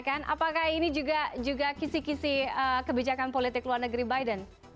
apakah ini juga kisi kisi kebijakan politik luar negeri biden